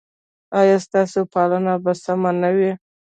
ایا ستاسو پالنه به سمه نه وي؟